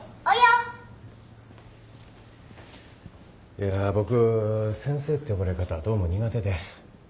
いや僕先生って呼ばれ方どうも苦手で。